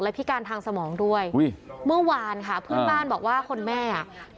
พิการทางสมองด้วยอุ้ยเมื่อวานค่ะเพื่อนบ้านบอกว่าคนแม่อ่ะ